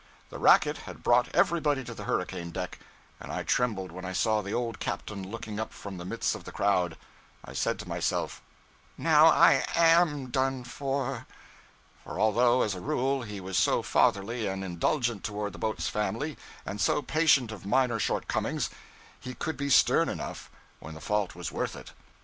The racket had brought everybody to the hurricane deck, and I trembled when I saw the old captain looking up from the midst of the crowd. I said to myself, 'Now I am done for!' For although, as a rule, he was so fatherly and indulgent toward the boat's family, and so patient of minor shortcomings, he could be stern enough when the fault was worth it.